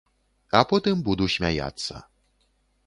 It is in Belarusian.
А потым буду смяяцца.